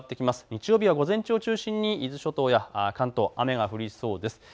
日曜日は午前中を中心に関東平野部でも雨が降りそうです。